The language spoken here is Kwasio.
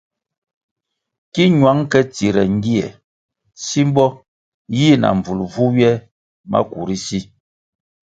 Ki ñwang ke tsire ngie simbo yih na mbvul vu ywe maku ri si.